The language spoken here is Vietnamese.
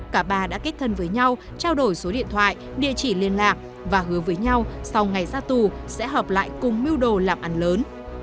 cả bà đã kết thân với nhau trao đổi số điện thoại địa chỉ liên lạc và hứa với nhau sau ngày ra tù sẽ họp lại cùng mưu đồ làm ăn lớn